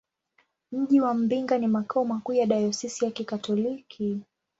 Mji wa Mbinga ni makao makuu ya dayosisi ya Kikatoliki.